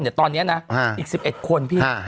แต่ตอนนี้นะอีก๑๑คนพี่